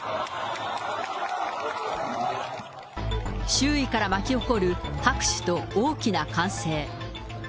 周囲から巻き起こる拍手と大きな歓声。